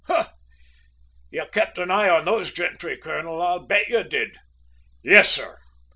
"Ha! You kept your eye on those gentry, colonel, I bet you did?" "Yes, sir.